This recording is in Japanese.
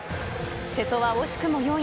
瀬戸は惜しくも４位。